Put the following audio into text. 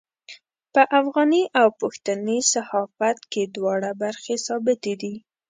په افغاني او پښتني صحافت کې دواړه برخې ثابتې دي.